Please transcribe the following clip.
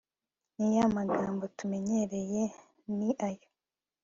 ni ya magambo tumenyereye, ni ayo